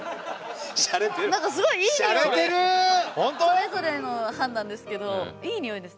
それぞれの判断ですけどいいニオイです。